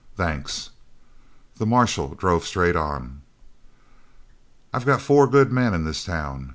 "Thanks." The marshal drove straight on. "I've got four good men in this town.